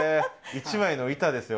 一枚の板ですよ